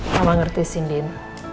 mama ngerti sindin